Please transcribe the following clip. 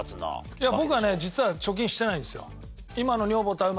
いや僕はね実は貯金してないんですよ。